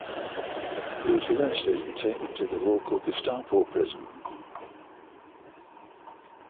He was arrested and taken to the local Gestapo prison.